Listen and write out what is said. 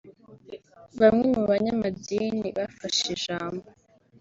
Bamwe mu banyamadini bafashe ijambo